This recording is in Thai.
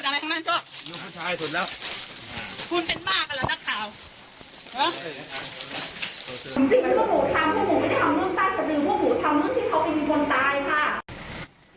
จริงพวกผมทำพวกผมไม่ได้ทำเรื่องต้านสะดืมพวกผมทำเรื่องที่เขาเป็นคนตายค่ะ